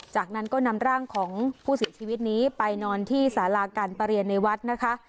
จากนั้นก็นำร่างของผู้เสียชีวิตนี้ไปนอนที่สาราการประเรียนในวัดนะคะ